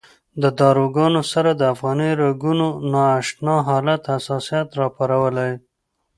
د داروګانو سره د افغاني رګونو نا اشنا حالت حساسیت راپارولی.